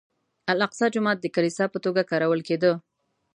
الاقصی جومات د کلیسا په توګه کارول کېده.